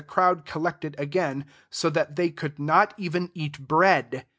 And tbP crowd collect ed again, so that they could not even eat bread.